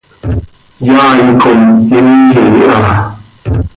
Yaai com immii ha.